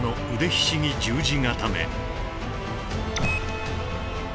ひしぎ十字固め。